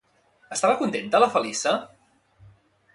Estava contenta, la Feliça?